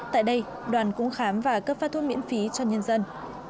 tại đây đoàn cũng khám và cấp phát thuốc miễn phí cho nhân dân